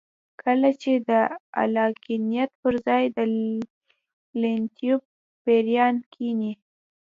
کله چې د عقلانيت پر ځای د لېونتوب پېريان کېني.